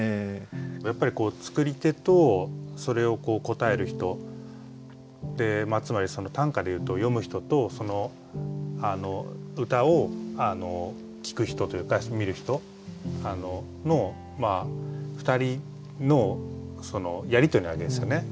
やっぱり作り手とそれを答える人ってつまり短歌で言うと詠む人とその歌を聞く人というか見る人の２人のやり取りなわけですよね。